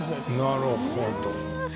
なるほど。